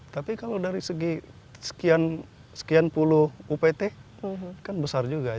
tapi kalau dari segi sekian puluh upt kan besar juga